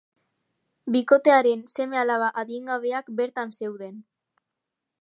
Bikotearen seme-alaba adingabeak bertan zeuden.